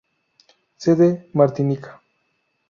Sede: Martinica.